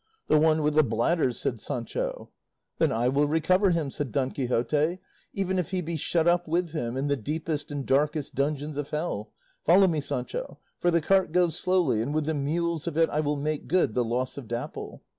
"The one with the bladders," said Sancho. "Then I will recover him," said Don Quixote, "even if he be shut up with him in the deepest and darkest dungeons of hell. Follow me, Sancho, for the cart goes slowly, and with the mules of it I will make good the loss of Dapple."